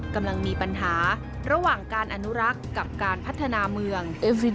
กำลังมีปัญหาระหว่างการอนุรักษ์กับการพัฒนาเมืองเอฟริน